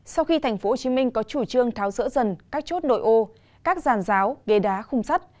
sau khi tp hcm có chủ trương tháo rỡ dần các chốt nội ô các giàn giáo ghế đá khung sắt